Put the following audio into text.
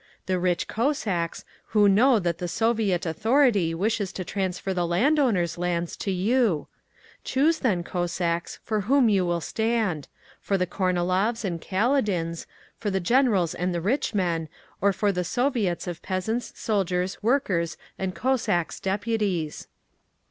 The rich Cossacks, who know that the Soviet AUTHORITY WISHES TO transfer the landowners' lands to you. Choose then, Cossacks, for whom will you stand: for the Kornilovs and Kaledins, for the Generals and rich men, or for the Soviets of Peasants', Soldiers', Workers' and Cossacks' Deputies.